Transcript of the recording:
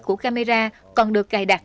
của camera còn được cài đặt